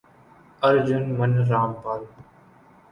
ارجن من را مپال